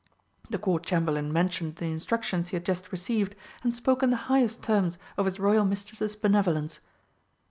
The Court Chamberlain mentioned the instructions he had just received, and spoke in the highest terms of his Royal mistress's benevolence.